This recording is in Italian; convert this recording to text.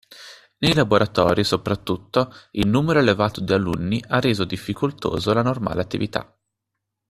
Nei laboratori soprattutto il numero elevato di alunni ha reso difficoltoso la normale attività.